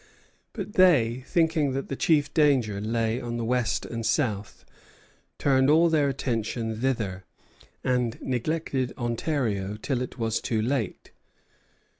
But they, thinking that the chief danger lay on the west and south, turned all their attention thither, and neglected Ontario till it was too late.